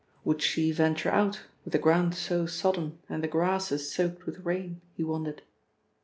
Would she venture out with the ground so sodden and the grasses soaked with rain, he wondered?